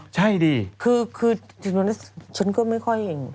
ใช่ดีคือถึงวันนั้นฉันก็ไม่ค่อย